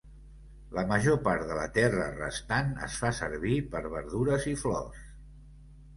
La major part de la terra restant es fa servir per verdures i flors.